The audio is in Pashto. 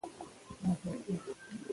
نجونې به تر هغه وخته پورې بیرغ رپوي.